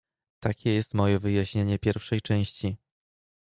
"Takie jest moje wyjaśnienie pierwszej części."